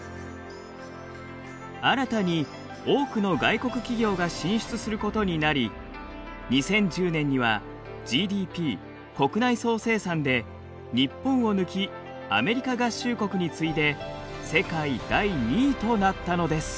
新たに多くの外国企業が進出することになり２０１０年にはＧＤＰ国内総生産で日本を抜きアメリカ合衆国に次いで世界第２位となったのです。